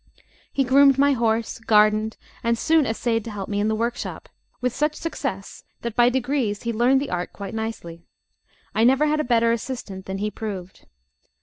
He groomed my horse, gardened, and soon essayed to help me in the workshop, with such success that by degrees he learned the art quite nicely. I never had a better assistant than he proved.